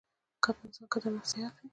که په انسان کې دا نفسیات وي.